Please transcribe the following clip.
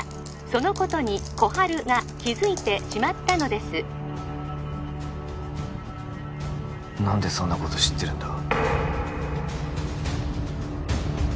そのことに心春が気づいてしまったのです何でそんなこと知ってるんだ